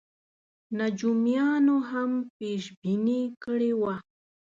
نجومیانو هم پېش بیني کړې وه.